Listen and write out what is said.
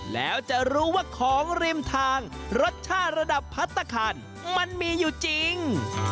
แล้วจะรู้ว่าของริมทางรสชาติระดับพัฒนาคารมันมีอยู่จริง